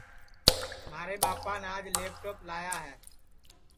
مھارے ٻاپان آج لیپ ٹوپ لیا ہے